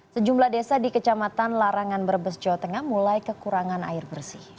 sejumlah desa di kecamatan larangan brebes jawa tengah mulai kekurangan air bersih